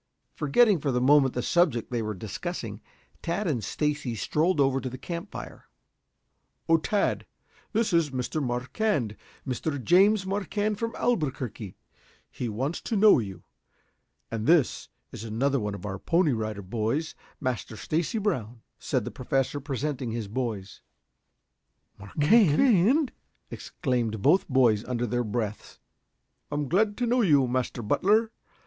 Forgetting for the moment the subject they were discussing, Tad and Stacy strolled over to the camp fire. "O Tad, this is Mr. Marquand, Mr. James Marquand from Albuquerque. He wants to know you. And this is another one of our Pony Rider Boys, Master Stacy Brown," said the Professor, presenting his boys. "Marquand!" exclaimed both boys under their breaths. "I am glad to know you, Master Butler.